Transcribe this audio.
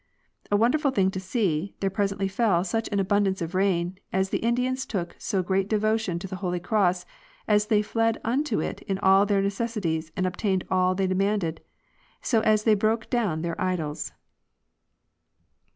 A wonderful thing to see, there presently fell such an abundance of rain, as the Indians took so great devotion to the holy cross as they fled unto it in all their necessities, and obtained all they demanded, so as they broke down their idols."